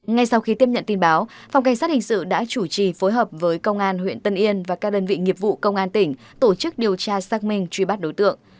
ngay sau khi tiếp nhận tin báo phòng cảnh sát hình sự đã chủ trì phối hợp với công an huyện tân yên và các đơn vị nghiệp vụ công an tỉnh tổ chức điều tra xác minh truy bắt đối tượng